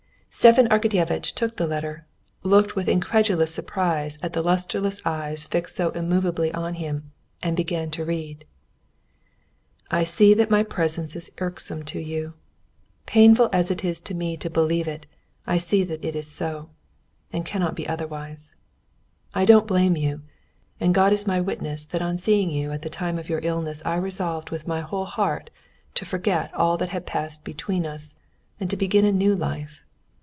Stepan Arkadyevitch took the letter, looked with incredulous surprise at the lusterless eyes fixed so immovably on him, and began to read. "I see that my presence is irksome to you. Painful as it is to me to believe it, I see that it is so, and cannot be otherwise. I don't blame you, and God is my witness that on seeing you at the time of your illness I resolved with my whole heart to forget all that had passed between us and to begin a new life.